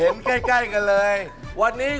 มันไม่มี